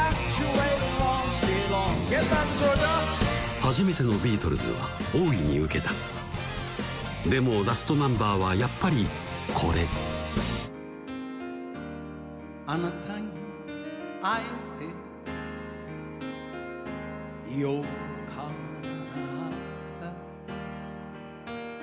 初めての「ビートルズ」は大いにウケたでもラストナンバーはやっぱりこれ「あなたにえてよかった」